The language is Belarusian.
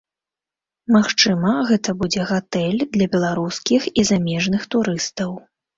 Магчыма гэта будзе гатэль для беларускіх і замежных турыстаў.